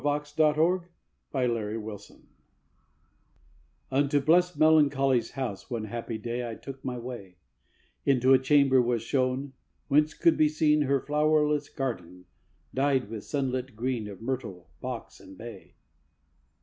THE SON OF MELANCHOLY UNTO blest Melancholy's house one happy day I took my way: Into a chamber was shown, whence could be seen Her flowerless garden, dyed with sunlit green Of myrtle, box, and bay.